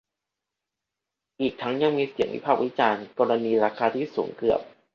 อีกทั้งยังมีเสียงวิพากษ์วิจารณ์กรณีราคาที่สูงเกือบ